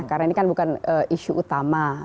karena ini kan bukan isu utama